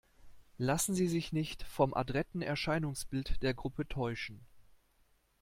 Lassen Sie sich nicht vom adretten Erscheinungsbild der Gruppe täuschen!